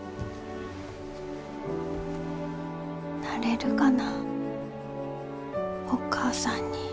なれるかなお母さんに。